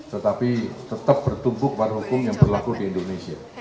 tetapi tetap bertumbuh kepada hukum yang berlaku di indonesia